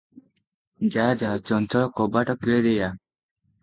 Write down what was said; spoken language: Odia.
ଯା ଯା, ଚଞ୍ଚଳ କବାଟ କିଳି ଦେଇ ଆ ।